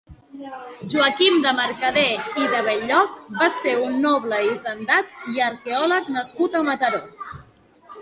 Joaquim de Mercader i de Bell-lloc va ser un noble hisendat i arqueòleg nascut a Mataró.